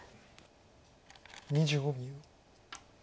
２５秒。